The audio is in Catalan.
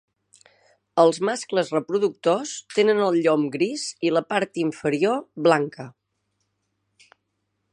Els mascles reproductors tenen el llom gris i la part inferior blanca.